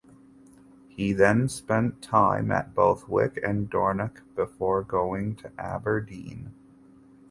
He then spent time at both Wick and Dornoch before going to Aberdeen.